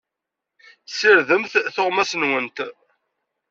Ssirdemt tuɣmas-nwent.